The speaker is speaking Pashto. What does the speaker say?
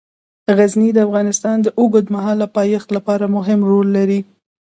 غزني د افغانستان د اوږدمهاله پایښت لپاره مهم رول لري.